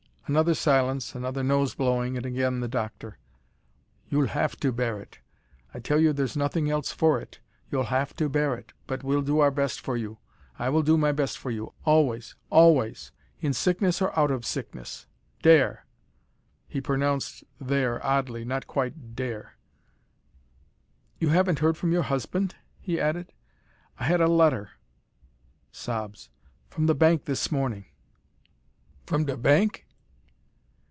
Another silence, another nose blowing, and again the doctor: "You'll HAVE to bear it I tell you there's nothing else for it. You'll have to bear it but we'll do our best for you. I will do my best for you always ALWAYS in sickness or out of sickness There!" He pronounced there oddly, not quite dhere. "You haven't heard from your husband?" he added. "I had a letter " sobs "from the bank this morning." "FROM DE BANK?"